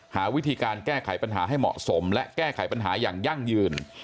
หาวิธีการแก้ไขปัญหาให้เหมาะสมและแก้ไขปัญหาอย่างยั่งยืน